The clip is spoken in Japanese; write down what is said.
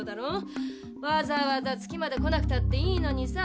わざわざ月まで来なくたっていいのにさ。